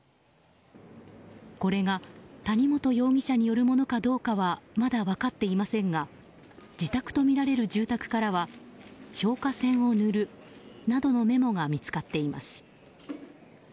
これが谷本容疑者によるものかどうかはまだ分かっていませんが自宅とみられる住宅からは「消火栓を塗る」などのメモが見つかっています。